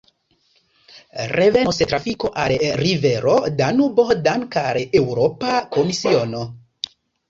Revenos trafiko al rivero Danubo danke al Eŭropa Komisiono.